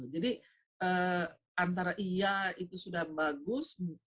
jadi antara iya itu sudah bagus